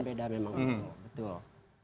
pembeda memang betul